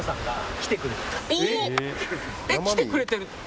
えっ来てくれてる？